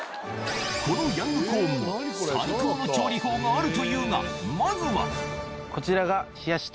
このヤングコーンも最高の調理法があるというがまずはこちらが。